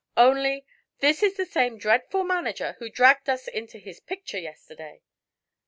"Only this is the same dreadful manager who dragged us into his picture yesterday."